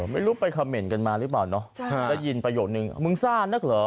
ไม่รู้ไปคำเมนต์กันมาหรือเปล่าเนาะได้ยินประโยคนึงมึงซ่านนักเหรอ